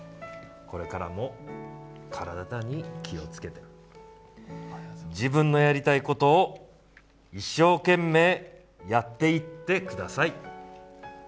これからも体に気をつけて自分のやりたいことを一生懸命やっていってください。